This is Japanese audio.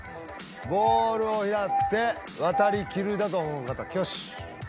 ボールをひらって渡り切るだと思う方挙手